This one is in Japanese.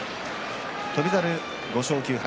翔猿は５勝９敗。